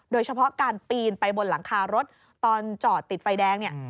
โดยเฉพาะการปีนไปบนหลังคารถตอนจอดติดไฟแดงเนี่ย